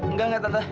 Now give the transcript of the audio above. nggak nggak tante